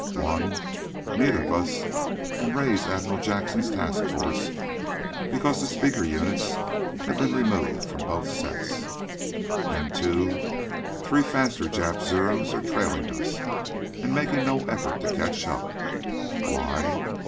One, neither of us can raise Admiral Jackson's task force because the speaker units have been removed from both sets. And, two, three faster Jap Zeros are trailing us, and making no effort to catch up! Why?